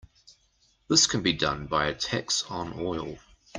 This can be done by a tax on oil.